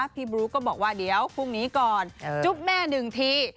บลุ๊กก็บอกว่าเดี๋ยวพรุ่งนี้ก่อนจุ๊บแม่หนึ่งที